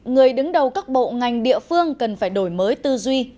người đứng đầu các bộ ngành địa phương cần phải đổi mới tư duy